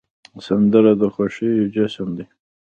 سندره د خوښیو جشن دی